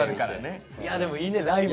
でもいいねライブ！